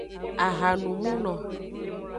Ahanumuno.